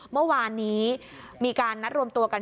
เมื่อวานนี้มีการนัดรวมตัวกัน